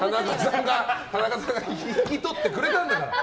田中さんが引き取ってくれたんだから！